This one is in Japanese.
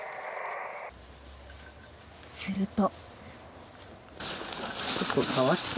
すると。